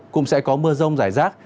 cũng sẽ có mưa rông giải rác